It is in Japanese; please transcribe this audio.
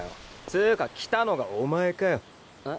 つか来たのがお前かよ。え？